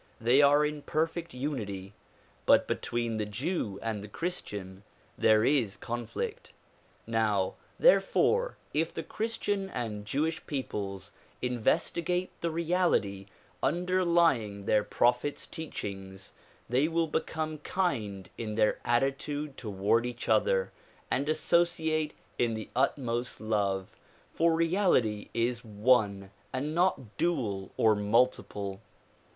They are in perfect unity but between the Jew and the Christian there is con flict. Now therefore if the Christian and Jewish peoples investigate the reality underlying their prophets' teachings they will become kind in their attitude toward each other and associate in the utmost love, for reality is one and not dual or multiple.